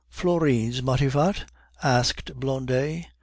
"Florine's Matifat?" asked Blondet.